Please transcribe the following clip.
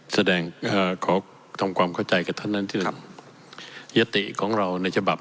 แสดงอ่าขอทำความเข้าใจกับท่านนั้นเถอะยติของเราในฉบับ